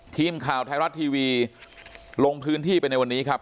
ทีมข่าวไทยรัฐทีวีลงพื้นที่ไปในวันนี้ครับ